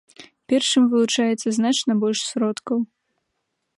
Першым вылучаецца значна больш сродкаў.